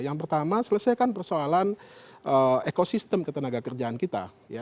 yang pertama selesaikan persoalan ekosistem ketenaga kerjaan kita